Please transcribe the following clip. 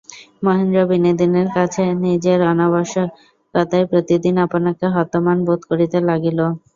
মহেন্দ্র বিনোদিনীর কাছে নিজের অনাবশ্যকতায় প্রতিদিন আপনাকে হতমান বোধ করিতে লাগিল।